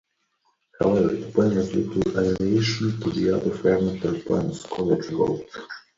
However, the poem has little relation to the other fragmentary poems Coleridge wrote.